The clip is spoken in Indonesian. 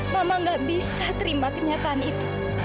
mama gak bisa terima kenyataan itu